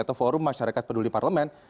atau forum masyarakat peduli parlemen